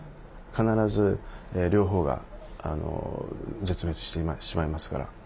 必ず両方が絶滅してしまいますから。